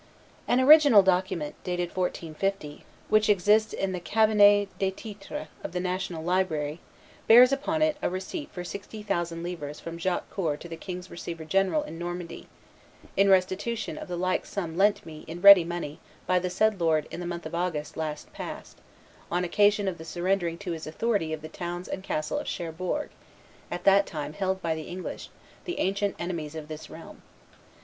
An original document, dated 1450, which exists in the "cabinet des titres" of the National Library, bears upon it a receipt for sixty thousand livres from Jacques Coeur to the king's receiver general in Normandy, "in restitution of the like sum lent by me in ready money to the said lord in the month of August last past, on occasion of the surrendering to his authority of the towns and castle of Cherbourg, at that time held by the English, the ancient enemies of this realm."